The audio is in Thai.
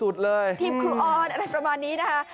ทีมคุณออนอะไรประมาณนี้นะคะ